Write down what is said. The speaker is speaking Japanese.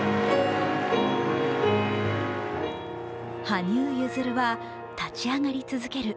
羽生結弦は立ち上がり続ける。